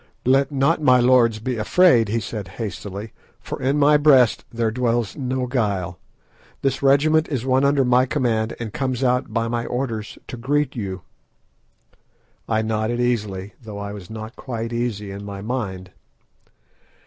"Let not my lords be afraid," he said hastily, "for in my breast there dwells no guile. This regiment is one under my command, and comes out by my orders to greet you." I nodded easily, though I was not quite easy in my mind.